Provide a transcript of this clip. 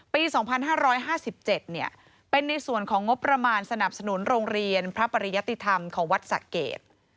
ปี๒๕๕๗เป็นในส่วนของงบประมาณสนับสนุนโรงเรียนพระปริยติธรรมของวัดสะเกด